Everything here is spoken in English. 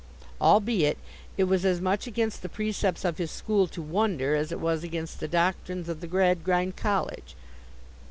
Albeit it was as much against the precepts of his school to wonder, as it was against the doctrines of the Gradgrind College.